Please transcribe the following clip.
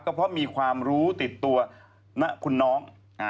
ก็เพราะมีความรู้ติดตัวคุณน้อง